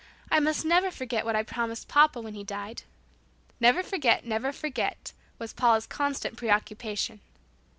I must never forget what I promised papa when he died." (Never forget, never forget! was Paula's constant preoccupation.)